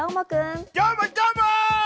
どーも、どーも！